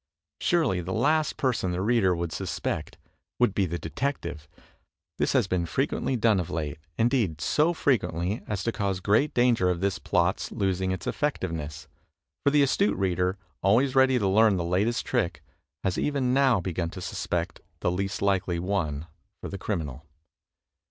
Surely the last person the reader would suspect would be the detective. This has been fre quently done of late, indeed so frequently as to cause great danger of this plot's losing its effectiveness. For the astute reader, always ready to learn the latest trick, has even now begun to suspect the least likely one for the criminal.